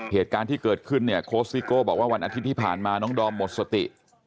เหตุการณ์ที่เกิดขึ้นเนี่ยโค้ชซิโก้บอกว่าวันอาทิตย์ที่ผ่านมาน้องดอมหมดสติ